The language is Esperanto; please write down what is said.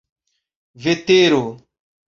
vetero